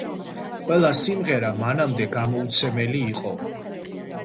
ყველა სიმღერა მანამდე გამოუცემელი იყო.